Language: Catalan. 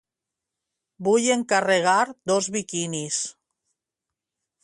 Vull encarregar dos biquinis.